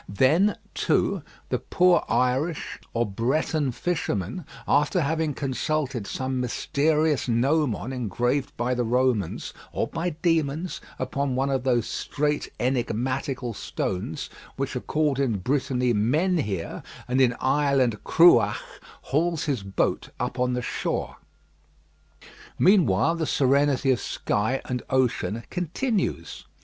Then, too, the poor Irish or Breton fisherman, after having consulted some mysterious gnomon engraved by the Romans or by demons upon one of those straight enigmatical stones, which are called in Brittany Menhir, and in Ireland Cruach, hauls his boat up on the shore. Meanwhile the serenity of sky and ocean continues.